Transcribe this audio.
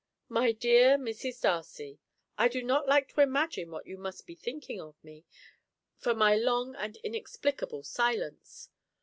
"My dear Mrs. Darcy, "I do not like to imagine what you must be thinking of me, for my long and inexplicable silence.